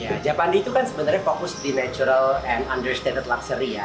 ya japandi itu kan sebenarnya fokus di natural and understate luxury ya